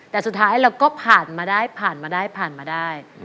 แต่สุดท้ายเราก็ผ่านมาได้ผ่านมาได้ผ่านมาได้